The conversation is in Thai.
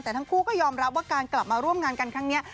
แต่ทั้งคู่ก็ยอมรับว่าการกลับมาร่วมงานกันครั้งนี้